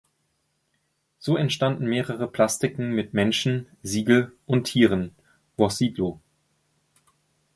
So entstanden mehrere Plastiken mit Menschen (Siegel) und Tieren (Wossidlo).